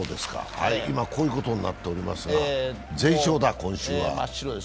今こういうことになっております、今週は全勝だ。